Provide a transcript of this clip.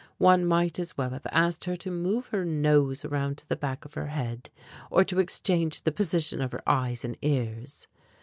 One might as well have asked her to move her nose around to the back of her head, or to exchange the positions of her eyes and ears!